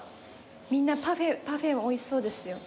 みんなパフェパフェおいしそうですよ。